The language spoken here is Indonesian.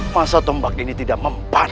masa tombak ini tidak mempan